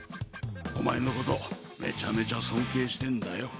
お前のことめちゃめちゃ尊敬してんだよ